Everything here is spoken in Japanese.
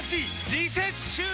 リセッシュー！